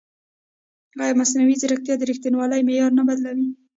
ایا مصنوعي ځیرکتیا د ریښتینولۍ معیار نه بدلوي؟